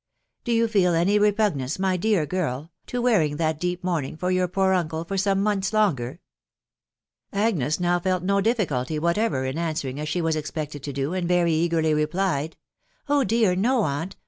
Do you feel any repugnance, my dear girl, to wearing that deep mourning for your poor uncle for some months longer ?" Agnes now felt no difficulty whatever in answering as she was expected to do, and very eagerly replied, " Oh ! dear no, aunt